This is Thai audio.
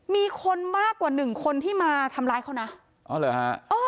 มีคนมากกว่าหนึ่งคนที่มาทำร้ายเขานะอ๋อเหรอฮะอ๋อ